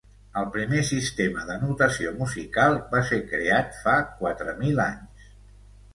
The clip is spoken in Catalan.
El primer sistema de notació musical va ser creat fa quatre mil anys.